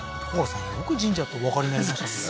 さんよく神社っておわかりになりましたね